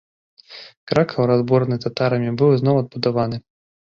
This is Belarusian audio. Кракаў, разбураны татарамі, быў ізноў адбудаваны.